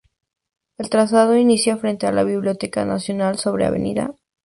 El trazado inicia frente a la Biblioteca Nacional, sobre Av.